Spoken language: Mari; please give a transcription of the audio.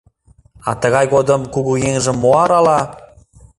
А тыгай годым кугыеҥжым мо арала?